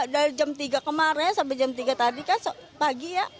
dari jam tiga kemarin sampai jam tiga tadi kan pagi ya